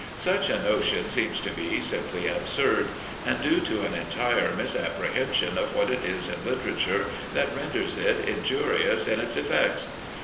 Such a notion seems to me simply absurd, and due to an entire misapprehension of what it is in literature that renders it injurious in its effects.